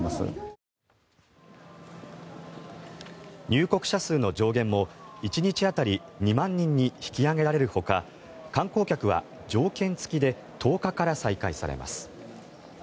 入国者数の上限も１日当たり２万人に引き上げられるほか観光客は条件付きで１０日から再開されます。